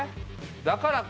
だからか！